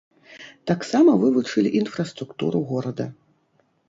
Таксама вывучылі інфраструктуру горада.